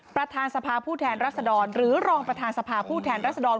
ประธานสภาผู้แทนรัศดรหรือรองประธานสภาผู้แทนรัศดร